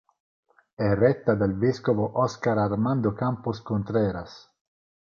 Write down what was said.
È retta dal vescovo Óscar Armando Campos Contreras.